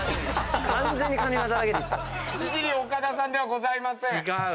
イジリー岡田さんではございません。